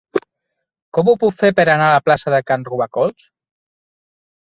Com ho puc fer per anar a la plaça de Can Robacols?